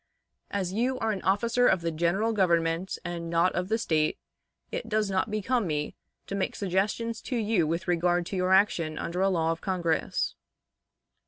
As you are an officer of the General Government, and not of the State, it does not become me to make suggestions to you with regard to your action under a law of Congress.